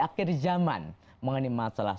akhir zaman mengenai masalah